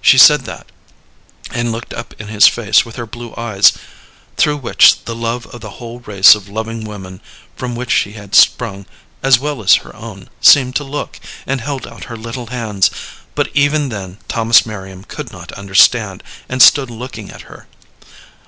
She said that, and looked up in his face with her blue eyes, through which the love of the whole race of loving women from which she had sprung, as well as her own, seemed to look, and held out her little hands; but even then Thomas Merriam could not understand, and stood looking at her.